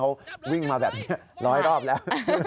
เขาวิ่งมาแบบนี้ร้อยรอบแล้ว